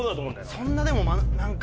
そんなでも何か。